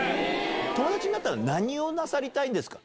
友達になったら何をなさりたいんですか？